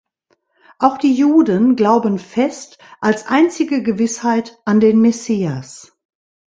Auch die Juden glauben fest, als einzige Gewissheit, an den Messias.